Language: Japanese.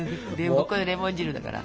これレモン汁だから。